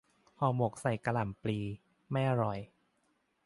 ห่อหมกใส่กะหล่ำปลี ไม่อร่อย